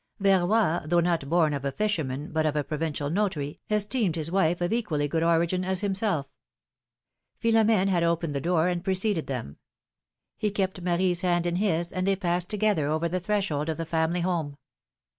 Verroy, though not born of a fisherman, but of a provincial notary, esteemed his wife of equally good origin as himself. Philomene had opened the door and preceded them. He kept Marie's hand in his, and 72 PHILOMi:NE^S MARRIAGES. they passed together over the threshold of the family home.